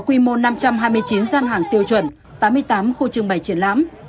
hội trợ năm nay có quy mô năm trăm hai mươi chín gian hàng tiêu chuẩn tám mươi tám khu trường bày triển lãm